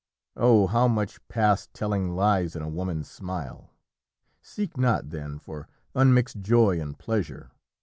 Oh, how much past telling lies in a woman's smile! Seek not, then, for unmixed joy and pleasure!